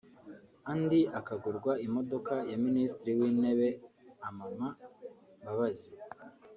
andi akagurwa imodoka ya Minisitiri w’intebe Amama Mbabazi